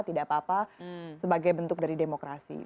tidak apa apa sebagai bentuk dari demokrasi